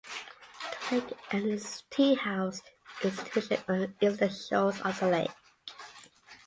The Lake Agnes Tea House is situation on the eastern shores of the lake.